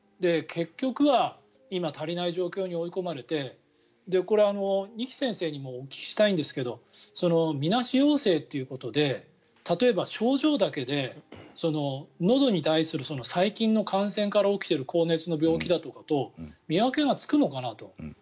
結局は今、足りない状況に追い込まれてこれ、二木先生にもお聞きしたいんですけどみなし陽性ということで例えば症状だけでのどに対する細菌の感染から起きている高熱の病気とかと見分けがつくのかなと。